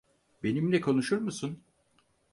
Benimle konuşur musun?